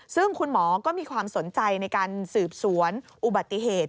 ซึ่งคุณหมอก็มีความสนใจในการสืบสวนอุบัติเหตุ